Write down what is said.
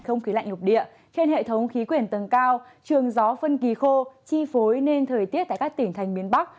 không khí lạnh lục địa trên hệ thống khí quyển tầng cao trường gió phân kỳ khô chi phối nên thời tiết tại các tỉnh thành miền bắc